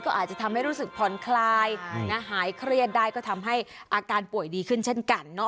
ก็อาจจะทำให้รู้สึกผ่อนคลายหายเครียดได้ก็ทำให้อาการป่วยดีขึ้นเช่นกัน